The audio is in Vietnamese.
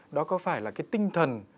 đó có phải là cái tinh thần